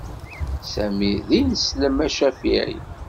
Sami d ineslem acafiɛi.